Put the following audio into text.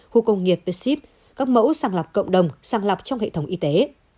khu công nghiệp với sip các mẫu sàng lọc cộng đồng sàng lọc trong hệ thống y tế